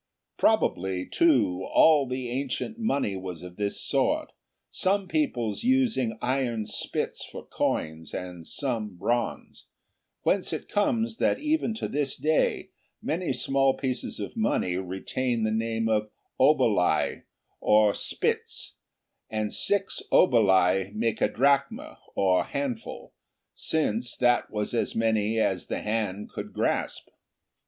Probably, too, all the ancient money was of this sort, some peoples using iron spits for coins, and some bronze; whence it comes that even to this day many small pieces of money retain the name of "oboli," or spils, and six "oboli'' make a "drachma," or handful, since that was as many as the hand could grasp.